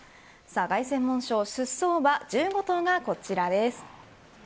凱旋門賞出走馬１５頭がこちらです。